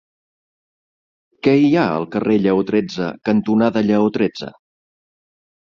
Què hi ha al carrer Lleó tretze cantonada Lleó tretze?